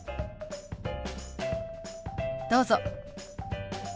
どうぞ。